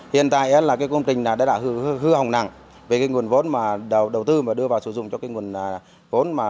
hiện tại là cái công trình đã hư hỏng nặng vì cái nguồn vốn đầu tư mà đưa vào sử dụng cho cái nguồn vốn